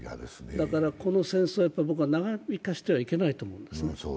だからこの戦争は僕は長引かせてはいけないと思いますね。